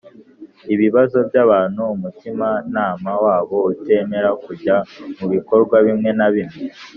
ibibazo by’abantu umutimanama wabo utemerera kujya mu bikorwa bimwe na bimwe